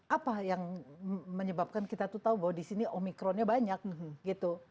apa yang menyebabkan kita tuh tahu bahwa di sini omikronnya banyak gitu